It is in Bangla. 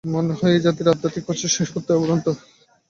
মনে হয়, এই জাতির আধ্যাত্মিক প্রচেষ্টা সত্যই অফুরন্ত।